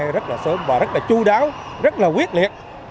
rất là chú đáo rất là quyết liệt